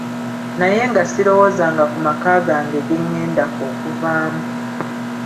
Naye nga sirowoozanga ku maka gange ge ngenda okuvaamu.